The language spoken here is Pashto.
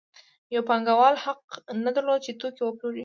یو پانګوال حق نه درلود چې توکي وپلوري